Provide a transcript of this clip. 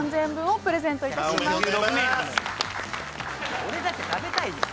俺だって食べたいよ。